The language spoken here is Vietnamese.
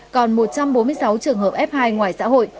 còn một trăm bốn mươi sáu trường hợp f hai ngoài xã hội